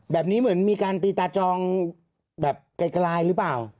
แบบนี้เหมือนมีการตีตาจองแบบไกลหรือเปล่า